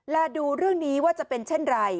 และดูเรื่องนี้ว่าจะเป็นเช่นไร